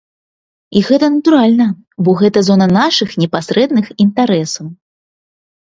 І гэта натуральна, бо гэта зона нашых непасрэдных інтарэсаў.